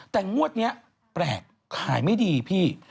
แต่งวดนี้แปลกขายไม่ดีพี่